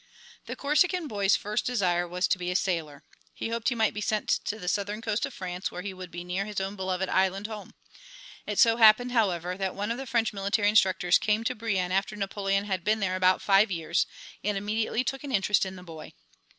The Corsican boy's first desire was to be a sailor. He hoped he might be sent to the southern coast of France where he would be near his own beloved island home. It so happened, however, that one of the French military instructors came to Brienne after Napoleon had been there about five years, and immediately took an interest in the boy.